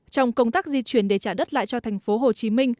trong công tác di chuyển để trả đất lại cho tp hcm